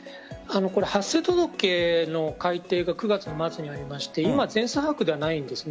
発生届の改定が９月の末にありまして今、全数把握ではないんです。